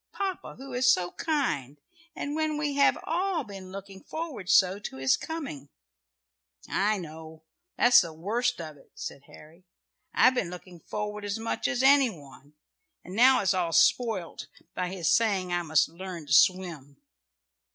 "Papa who is so kind, and when we have all been looking forward so to his coming." "I know that's the worst of it," said Harry. "I've been looking forward as much as any one, and now it's all spoilt by his saying I must learn to swim."